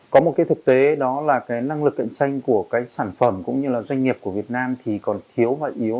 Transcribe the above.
có một thực tế đó là năng lực cạnh tranh của sản phẩm cũng như doanh nghiệp của việt nam còn thiếu và yếu